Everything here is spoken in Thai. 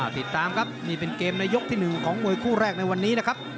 ติดตามครับนี่เป็นเกมในยกที่๑ของมวยคู่แรกในวันนี้นะครับ